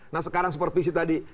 nah sekarang supervisi tadi